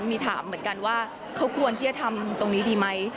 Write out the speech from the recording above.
มีถามเหมือนกันว่าเขาควรที่จะทำตรงนี้ดีไหม